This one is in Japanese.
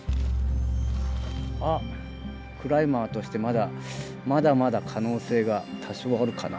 「あクライマーとしてまだまだまだ可能性が多少あるかな」。